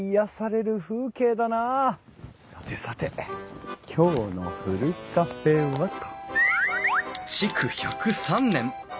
さてさて今日のふるカフェはと。